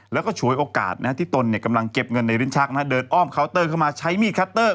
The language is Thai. แล้วก็ฉวยโอกาสที่ตนกำลังเก็บเงินในลิ้นชักเดินอ้อมเคาน์เตอร์เข้ามาใช้มีดคัตเตอร์